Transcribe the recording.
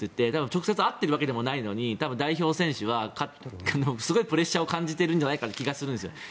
直接会ってるわけでもないのに代表選手はすごいプレッシャーを感じているのではないかという気がするんですよね。